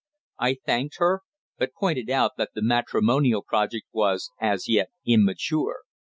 I thanked her, but pointed out that the matrimonial project was, as yet, immature.